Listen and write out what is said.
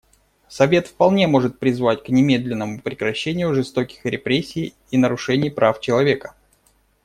Совет вполне может призвать к немедленному прекращению жестоких репрессий и нарушений прав человека.